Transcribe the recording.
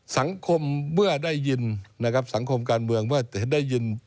สังคมเมื่อได้ยินนะครับสังคมการเมืองเมื่อได้ยิน